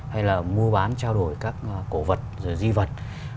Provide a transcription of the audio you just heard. hay là mua bán trao đổi các cổ vật rồi di vật